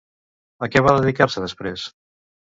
A què va dedicar-se després?